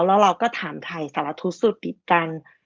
แล้วเราก็ถามไทยสารทุกข์ติดกัน